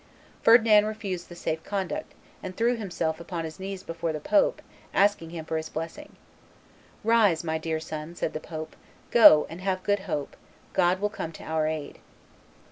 Ferdinand refused the safe conduct, and threw himself upon his knees before the pope, asking him for his blessing: "Rise, my dear son," said the pope; "go, and have good hope; God will come to our aid."